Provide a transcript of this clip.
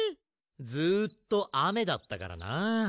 ずっとあめだったからなあ。